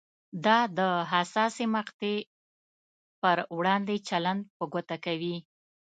دا د حساسې مقطعې پر وړاندې چلند په ګوته کوي.